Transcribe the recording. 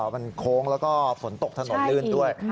มันโค้งแล้วก็ฝนตกถนนลื่นด้วย